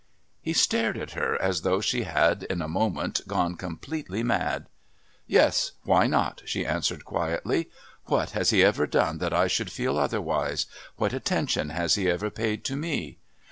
He stared at her as though she had in a moment gone completely mad. "Yes, why not?" she answered quietly. "What has he ever done that I should feel otherwise? What attention has he ever paid to me?